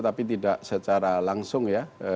tapi tidak secara langsung ya